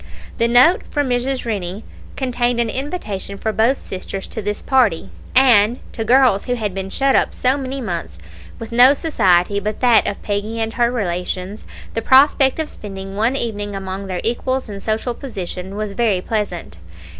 The note from Mrs. Rennie contained an invitation for both sisters to this party; and to girls who had been shut up so many months with no society but that of Peggy and her relations, the prospect of spending one evening among their equals in social position was very pleasant.